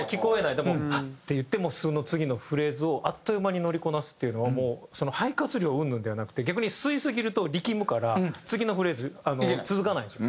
でもハッ！っていってその次のフレーズをあっという間に乗りこなすっていうのはもう肺活量うんぬんではなくて逆に吸いすぎると力むから次のフレーズ続かないんですよ。